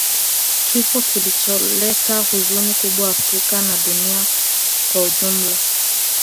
kifo kilicholeta huzuni kubwa Afrika na duniani kwa ujumla